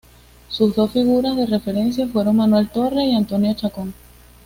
Sus dos figuras de referencia fueron Manuel Torre y Antonio Chacón.